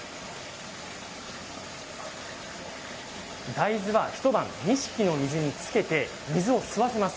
大豆は一晩錦の水に漬けて水を吸わせます。